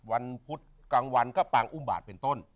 พุธกลางวันก็ปางอุ้มบาทเป็นต้น